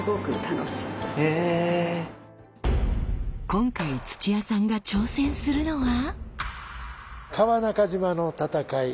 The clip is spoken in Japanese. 今回土屋さんが挑戦するのは。